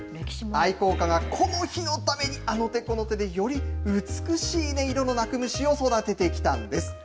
愛好家が、この日のためにあの手この手でより美しい音色の鳴く虫を育ててきたんです。